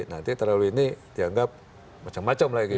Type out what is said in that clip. nanti terlalu ini dianggap macam macam lagi